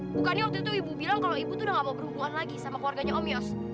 bukannya waktu itu ibu bilang kalau ibu tuh udah gak mau berhubungan lagi sama keluarganya om yos